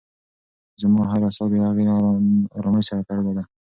زما هره ساه د هغې له ارامۍ سره تړلې ده.